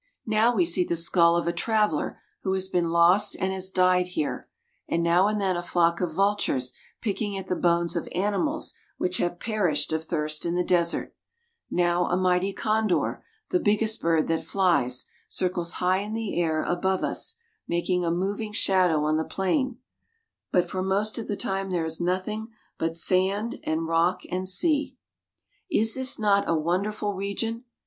Now we see the skull of a traveler who has been lost and has died here, and now and then a flock of vultures picking at the bones of animals which have perished of thirst in the desert ; now a mighty condor, the biggest bird that flies, circles high in the air above us, making a mov ing shadow on the plain ; but for most of the time there is nothing but sand and rock and sea. Is not this a wonderful region